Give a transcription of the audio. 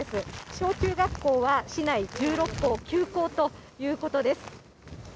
小中学校は市内１６校休校ということです。